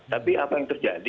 tapi apa yang terjadi